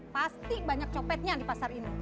pasti banyak copetnya di pasar ini